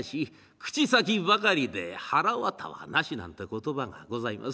口先ばかりではらわたはなし」なんて言葉がございます。